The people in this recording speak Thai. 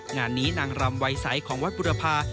งานนี้นางรำวัยใสของวัดบุรพา